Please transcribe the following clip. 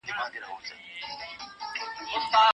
آيا د کتاب او ماحول امتزاج رامنځته سوی دی؟